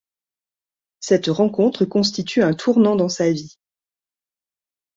Cette rencontre constitue un tournant dans sa vie.